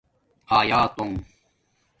آیاتݸنݣ